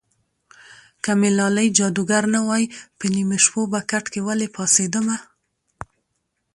که مې لالی جادوګر نه وای په نیمو شپو به کټ کې ولې پاڅېدمه